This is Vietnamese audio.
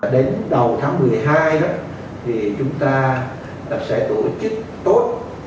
đến đầu tháng một mươi hai thì chúng ta sẽ tổ chức tốt